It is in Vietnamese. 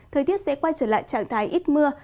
thời tiết sẽ quay trở lại trạng thái ít mưa